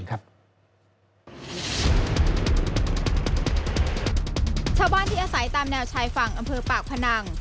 ชาวบ้านที่อาศัยตามแนวชายฝั่งอำเภอปากพนัง